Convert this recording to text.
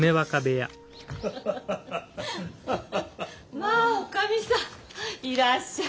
まあおかみさんいらっしゃい。